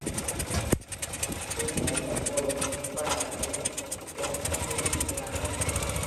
ஷ்ட்ரீமெல் எப்போதும் "கிப்பா" அல்லது யர்முல்கே மீது அணியப்படுகிறது.